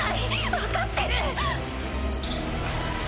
分かってる！